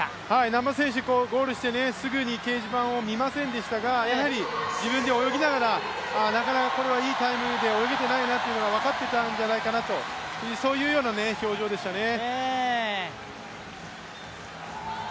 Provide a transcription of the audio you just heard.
難波選手、ゴールしてすぐに掲示板を見ませんでしたがやはり自分で泳ぎながら、これはいいタイムで泳げてないなというのが分かってたんじゃないかなとそういうような表情でしたね。